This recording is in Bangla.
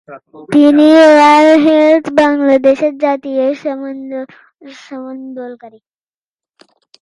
তিনি ওয়ান হেলথ বাংলাদেশের জাতীয় সমন্বয়কারী।